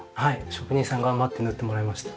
職人さんに頑張って塗ってもらいました。